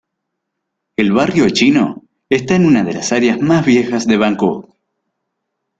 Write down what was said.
El Barrio Chino está en una de las áreas más viejas de Bangkok.